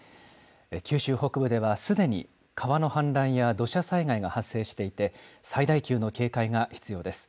九州北部では、すでに川の氾濫や土砂災害が発生していて、最大級の警戒が必要です。